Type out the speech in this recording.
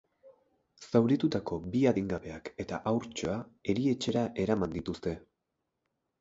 Zauritutako bi adingabeak eta haurtxoa erietxera eraman dituzte.